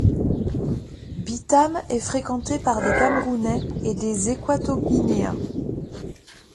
Bitam est fréquentée par des Camerounais et des Équatoguinéens.